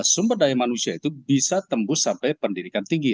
sumber daya manusia itu bisa tembus sampai pendidikan tinggi